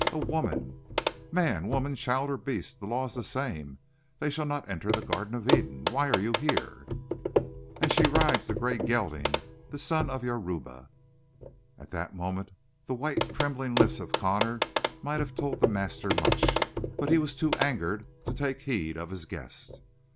"A woman " "Man, woman, child, or beast, the law is the same. They shall not enter the Garden of Eden. Why are you here?" "And she rides the gray gelding, the son of Yoruba!" At that moment the white trembling lips of Connor might have told the master much, but he was too angered to take heed of his guest.